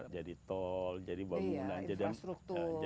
iya jadi tol jadi bangunan